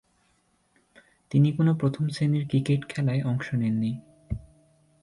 তিনি কোন প্রথম-শ্রেণীর ক্রিকেট খেলায় অংশ নেননি।